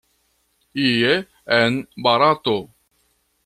Ie en Barato.